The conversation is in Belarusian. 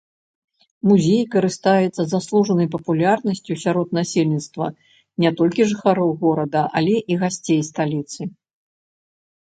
Музей карыстаецца заслужанай папулярнасцю сярод насельніцтва не толькі жыхароў горада, але і гасцей сталіцы.